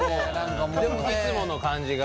いつもの感じが。